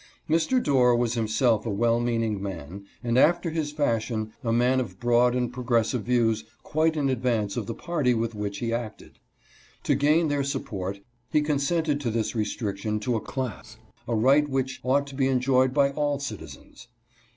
Mr. Dorr was himself a well meaning man, and, after his fashion, a man of broad and progressive views quite in advance of the party with which he acted. To gain their support he consented to this restriction to a class a right which ought to be enjoyed by all citizens.